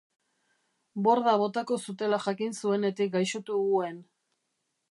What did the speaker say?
Borda botako zutela jakin zuenetik gaixotu huen.